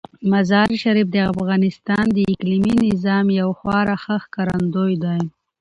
مزارشریف د افغانستان د اقلیمي نظام یو خورا ښه ښکارندوی دی.